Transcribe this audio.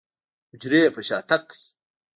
حجرې يې په شاتګ کوي.